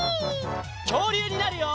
きょうりゅうになるよ！